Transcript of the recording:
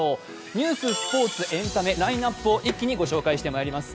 ニュース、スポーツ、エンタメ、ラインナップを一気にご紹介してまいります。